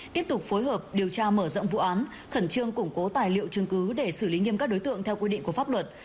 tiếp tục phối hợp điều tra mở rộng vụ án khẩn trương củng cố tài liệu chứng cứ để xử lý nghiêm các đối tượng theo quy định của pháp luật